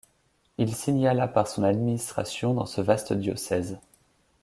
Il signala par son administration dans ce vaste diocèse.